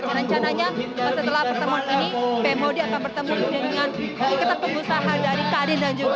dan rencananya setelah pertemuan ini pm modi akan bertemu dengan ikatan pengusaha dari kadin dan jemaat